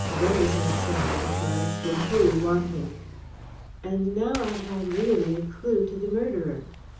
Those, I saw at a glance, were wholly wanting. And now I had really a clue to the murderer.